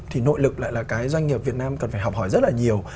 thì nội lực lại là cái doanh nghiệp việt nam cần phải học hỏi rất là nhiều